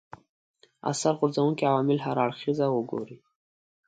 اثر غورځونکي عوامل هر اړخیزه وګوري